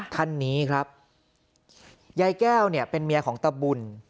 ท่านนี้ครับยายแก้วเนี่ยเป็นเมียของตะบุญ